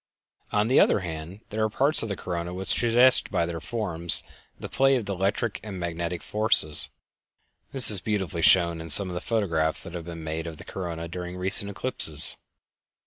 On the other hand, there are parts of the corona which suggest by their forms the play of electric or magnetic forces. This is beautifully shown in some of the photographs that have been made of the corona during recent eclipses.